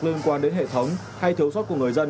liên quan đến hệ thống hay thiếu sót của người dân